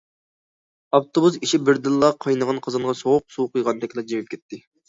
ئاپتوبۇس ئىچى بىردىنلا قاينىغان قازانغا سوغۇق سۇ قۇيغاندەكلا جىمىپ كەتتى.